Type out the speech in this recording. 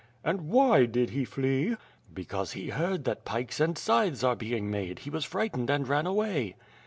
'* "And why did he flee?'* "Because he heard that pikes and 'scythes are being made, he was frightened and ran away."